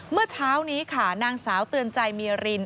เมื่อเช้านี้ค่ะนางสาวเตือนใจเมียริน